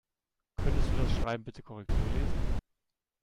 Könntest du das Schreiben bitte Korrektur lesen?